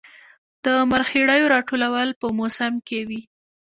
د مرخیړیو راټولول په موسم کې وي